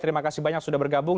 terima kasih banyak sudah bergabung